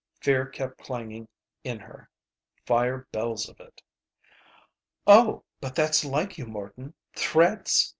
Fear kept clanging in her. Fire bells of it. "Oh, but that's like you, Morton! Threats!